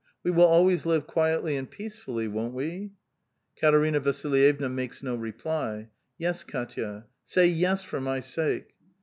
We will always live quietly and peacefully, won't we?" Katerina Vasilyevna makes no reply. " Yes, Kdtya ; say yes for my sake."